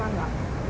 orang sekolah tidak